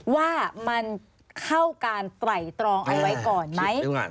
ว่ามันเข้าการไตรตรองเอาไว้ก่อนไหม